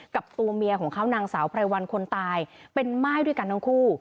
กับตัวเมียของเขานางสาวไพรวัลคนตายเป็นม่ายด้วยกันทั้งคู่